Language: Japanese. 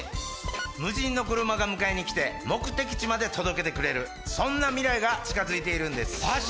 無人の車が迎えに来て目的地まで届けてくれるそんな未来が近づいているんですマジ